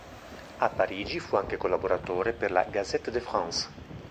A Parigi fu anche collaboratore per la "Gazette de France".